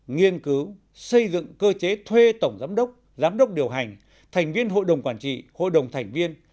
nghiên cứu xây dựng cơ chế thuê tổng giám đốc giám đốc điều hành thành viên hội đồng quản trị hội đồng thành viên